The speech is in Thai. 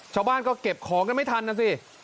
ชาวบ้านก็เก็บของกันไม่ทันนะสิ